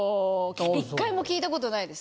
１回も聞いたことないです。